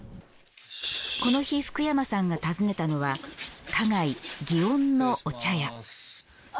この日福山さんが訪ねたのは花街・祇園のお茶屋。